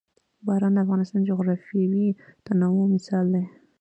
باران د افغانستان د جغرافیوي تنوع مثال دی.